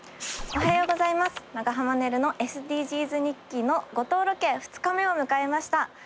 おはようございます長濱ねるのＳＤＧｓ日記の五島ロケ２日目を迎えました。